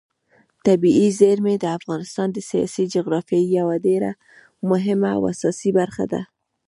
طبیعي زیرمې د افغانستان د سیاسي جغرافیې یوه ډېره مهمه او اساسي برخه ده.